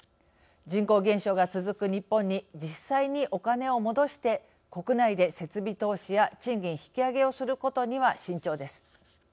人口減少が続く日本に実際におカネを戻して国内で設備投資や賃金引き上げをすることには慎重です。